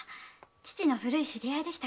父の古い知り合いでしたか。